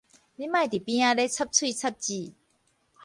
你莫佇邊仔咧插喙插舌